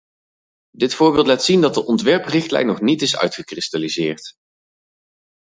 Dit voorbeeld laat zien dat de ontwerprichtlijn nog niet is uitgekristalliseerd.